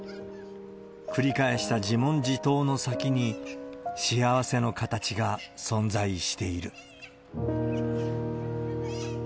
繰り返した自問自答の先に、幸せの形が存在している。